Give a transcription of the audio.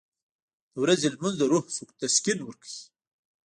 • د ورځې لمونځ د روح تسکین ورکوي.